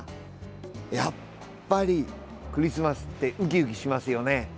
やっぱり、クリスマスってウキウキしますよね。